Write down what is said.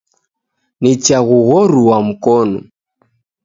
Nichaghughorua mkono.